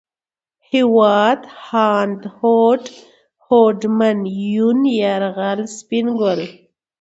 هېواد ، هاند ، هوډ ، هوډمن ، يون ، يرغل ، سپين ګل